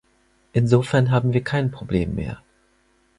Insofern haben wir kein Problem mehr.